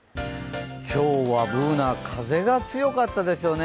今日はＢｏｏｎａ、風が強かったですよね。